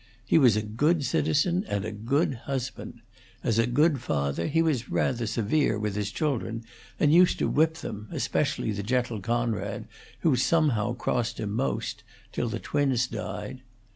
He was a good citizen, and a good husband. As a good father, he was rather severe with his children, and used to whip them, especially the gentle Conrad, who somehow crossed him most, till the twins died.